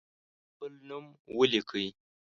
خپل نوم ولیکئ.